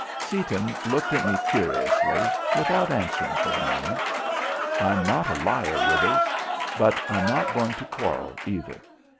Seaton looked at me curiously, without answering for a moment. "I'm not a liar, Withers; but I'm not going to quarrel either.